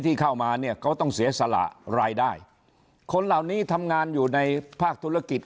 ที่เข้ามาเนี่ยเขาต้องเสียสละรายได้คนเหล่านี้ทำงานอยู่ในภาคธุรกิจ